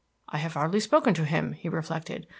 "I have hardly spoken to him," he reflected.